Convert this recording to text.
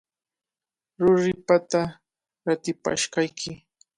Ruripata ratipashqayki.